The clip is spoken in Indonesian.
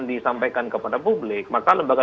disampaikan kepada publik maka lembaga